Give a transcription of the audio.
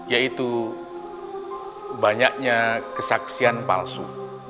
yaitu banyaknya kesaksian palsu